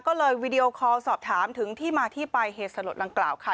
ก็เลยวีดีโอคอลสอบถามถึงที่มาที่ไปเหตุสลดดังกล่าวค่ะ